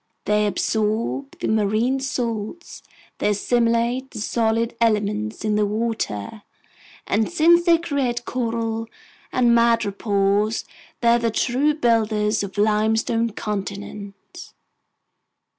They absorb the marine salts, they assimilate the solid elements in the water, and since they create coral and madrepores, they're the true builders of limestone continents!